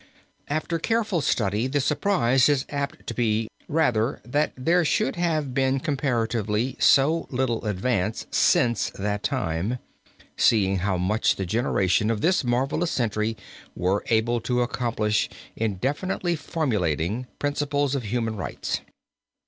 After careful study, the surprise is apt to be rather that there should have been comparatively so little advance since that time, seeing how much the generations of this marvelous century were able to accomplish in definitely formulating principles of human rights.